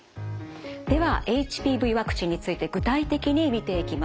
ではＨＰＶワクチンについて具体的に見ていきます。